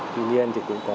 tuy nhiên thì cũng có